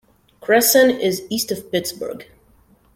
Cresson is east of Pittsburgh.